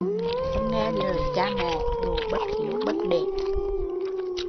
Không nghe lời cha mẹ, đồ bất hiếu bất để